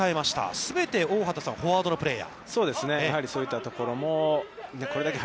全て大畑さん、フォワードのプレーヤー。